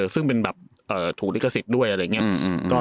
ซึ่งเป็นแบบถูกลิขสิทธิ์ด้วยอะไรอย่างนี้